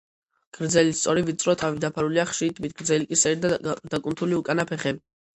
გრძელი, სწორი, ვიწრო თავი დაფარულია ხშირი თმით, გრძელი კისერი, დაკუნთული უკანა ფეხები.